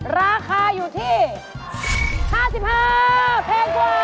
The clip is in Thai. ราคาอยู่ที่๕๕แพงกว่า